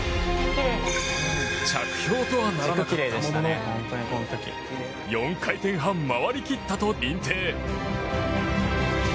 着氷とはならなかったものの４回転半、回り切ったと認定。